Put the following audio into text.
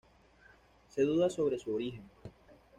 Se duda sobre su origen.